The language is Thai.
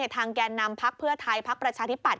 แก่นำพักเพื่อไทยพักประชาธิปัต